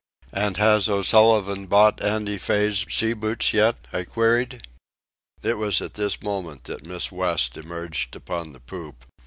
"And has O'Sullivan bought Andy Fay's sea boots yet?" I queried. It was at this moment that Miss West emerged upon the poop.